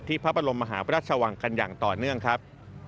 พระบรมมหาพระราชวังกันอย่างต่อเนื่องครับ